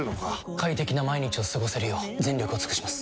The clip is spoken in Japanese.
快適な毎日を過ごせるよう全力を尽くします！